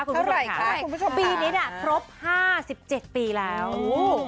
เท่าไหร่คะคุณผู้ชมปีนี้อ่ะครบห้าสิบเจ็ดปีแล้วอู้